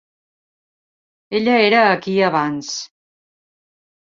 Ella era aquí abans.